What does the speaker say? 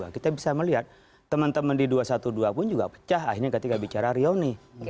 kita bisa melihat teman teman di dua ratus dua belas pun juga pecah akhirnya ketika bicara rioni